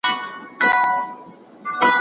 څوک بايد دغه خنډونه لري کړي؟